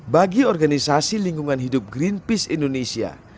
bagi organisasi lingkungan hidup greenpeace indonesia